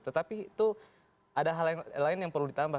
tetapi itu ada hal lain yang perlu ditambah